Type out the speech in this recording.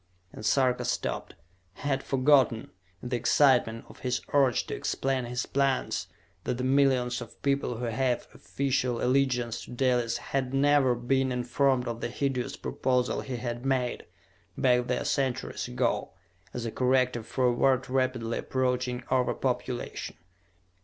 And Sarka stopped. He had forgotten, in the excitement of his urge to explain his plans, that the millions of people who gave official allegiance to Dalis had never been informed of the hideous proposal he had made, back there centuries ago, as a corrective for a world rapidly approaching over population.